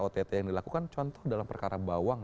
ott yang dilakukan contoh dalam perkara bawang